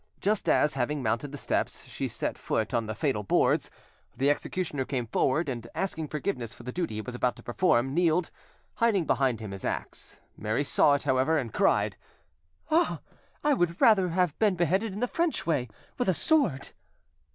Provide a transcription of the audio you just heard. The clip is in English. Just as, having mounted the steps, she set foot on the fatal boards, the executioner came forward, and; asking forgiveness for the duty he was about to perform, kneeled, hiding behind him his axe. Mary saw it, however, and cried— "Ah! I would rather have been beheaded in the French way, with a sword!..."